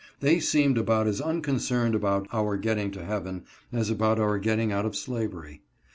They seemed about as unconcerned about our getting to heaven as about our getting out of slavery.